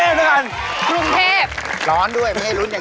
เอ้ามาดูแผ่นใต้ที่เหลือกัน